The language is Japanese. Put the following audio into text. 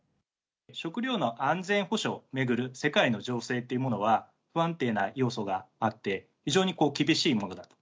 食料の安全保障を巡る世界の情勢というものは、不安定な要素があって、非常に厳しいものだと。